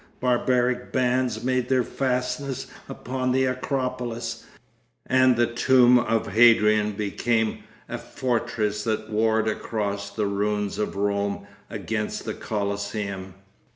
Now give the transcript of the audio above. Barbaric bands made their fastness upon the Acropolis, and the tomb of Hadrian became a fortress that warred across the ruins of Rome against the Colosseum....